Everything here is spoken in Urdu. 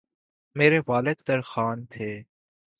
میرے والد ترکھان تھے